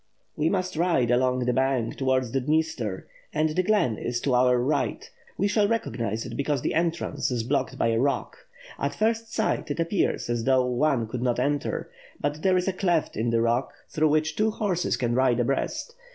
We must ride along the bank towards the Dniester and the glen is to our right, we shall recognize it because the en trance is blocked by a rock. At first sight, it appears as though one could not enter; but there is a cleft in the rock, through which two horses can ride abreast.